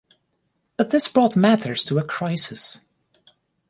But this brought matters to a crisis.